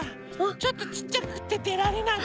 ちょっとちっちゃくてでられない。